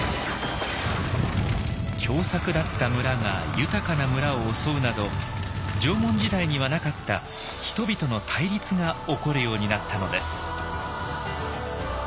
凶作だった村が豊かな村を襲うなど縄文時代にはなかった「人々の対立」が起こるようになったのです。